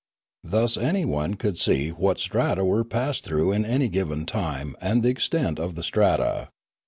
Thus anyone could see what strata were passed through in any given time and the extent of the strata.